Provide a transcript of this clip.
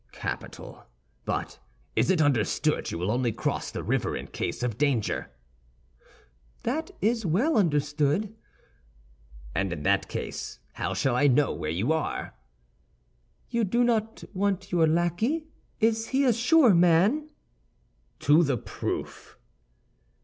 "Capital! but it is understood you will only cross the river in case of danger." "That is well understood." "And in that case, how shall I know where you are?" "You do not want your lackey?" "Is he a sure man?" "To the proof."